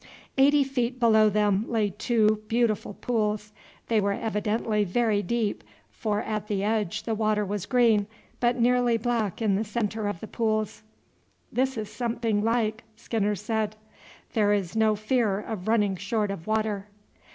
Eighty feet below them lay two beautiful pools. They were evidently very deep, for at the edge the water was green, but nearly black in the centre of the pools. "This is something like," Skinner said. "There is no fear of running short of water.